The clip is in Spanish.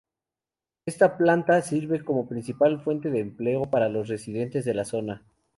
Ésta planta sirve como principal fuente de empleo para los residentes de la zona.